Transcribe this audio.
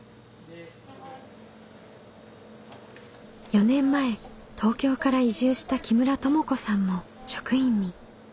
４年前東京から移住した木村とも子さんも職員に。